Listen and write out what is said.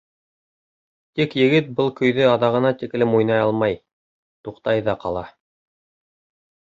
Тик егет был көйҙө аҙағына тиклем уйнай алмай, туҡтай ҙа ҡала.